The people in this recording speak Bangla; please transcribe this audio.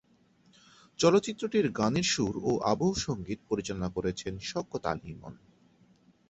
চলচ্চিত্রটির গানের সুর ও আবহ সঙ্গীত পরিচালনা করেছেন শওকত আলী ইমন।